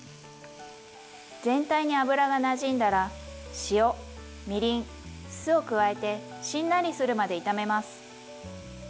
全体に油がなじんだら塩みりん酢を加えてしんなりするまで炒めます。